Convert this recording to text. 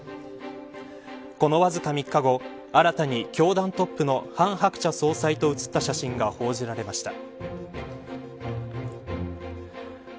このわずか３日後新たに教団トップの韓鶴子総裁と写った写真が報じられました。